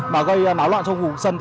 mà gây náo loạn trong vùng sân